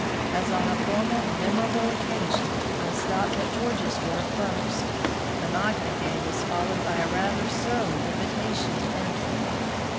As on a former memorable occasion, I stopped at George's door first. The knock I gave was followed by a rather surly invitation to enter.